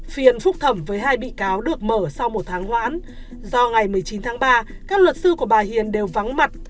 phiền phúc thẩm với hai bị cáo được mở sau một tháng hoãn do ngày một mươi chín tháng ba các luật sư của bà hiền đều vắng mặt